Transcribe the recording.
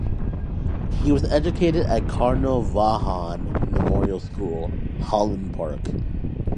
He was educated at Cardinal Vaughan Memorial School, Holland Park.